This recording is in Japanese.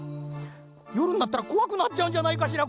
よるになったらこわくなっちゃうんじゃないかしら